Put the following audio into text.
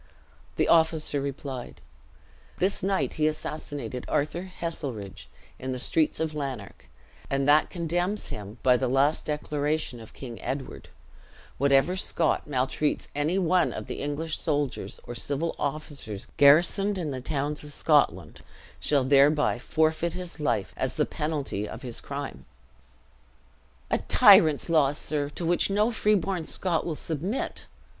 The officer replied, "This night he assassinated Arthur Heselrigge in the streets of Lanark; and that condemns him, by the last declaration of King Edward: Whatever Scot maltreats any one of the English soldiers, or civil officers garrisoned in the towns of Scotland, shall thereby forfeit his life, as the penalty of his crime." "A tyrant's law, sir, to which no freeborn Scot will submit!